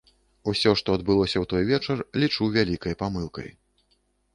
Усё, што адбылося ў той вечар, лічу вялікай памылкай.